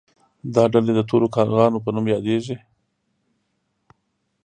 دا ډلې د تورو کارغانو په نوم یادیدلې.